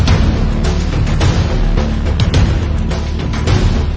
สวัสดีครับ